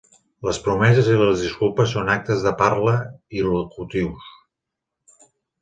Les promeses i les disculpes són actes de parla il·locutius.